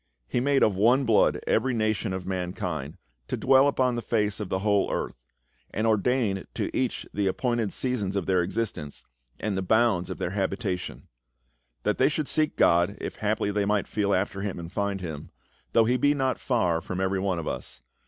He made of one blood every * Browning, Men and Wonun, A STRANGER IN ATHENS. 339 nation of mankind, to dwell upon the ftice of the whole earth : and ordained to each the appointed seasons of their existence, and the bounds of their habitation. That they should seek God, if haply they might feel after him and find him — though he be not far from every one of us.